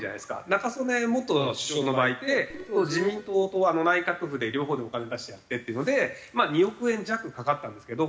中曽根元首相の場合って自民党と内閣府で両方でお金出してやってっていうのでまあ２億円弱かかったんですけど。